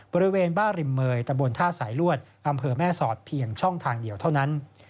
บริเวณบ้าริมเมยตำบลท่าสายลวดอำเภอแม่สอดเพียงช่องทางเดียวเท่านั้น